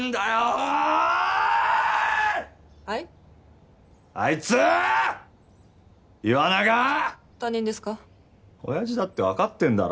おやじだってわかってんだろ。